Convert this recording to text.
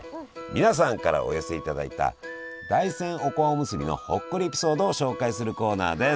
皆さんからお寄せいただいた大山おこわおむすびのほっこりエピソードを紹介するコーナーです！